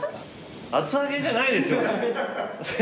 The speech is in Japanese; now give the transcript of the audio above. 厚揚げじゃないですよこれ。